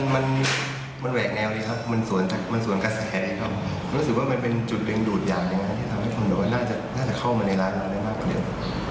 มันแหวกแนวเลยครับมันสวนสวนกระแสดีครับรู้สึกว่ามันเป็นจุดเร็งดูดอย่างที่ทำให้คนโหล่น่าจะเข้ามาในร้านนั้นได้มากกว่าเดียว